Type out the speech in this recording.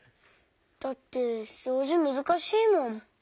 だってそうじむずかしいもん。